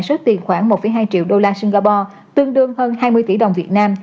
số tiền khoảng một hai triệu đô la singapore tương đương hơn hai mươi tỷ đồng việt nam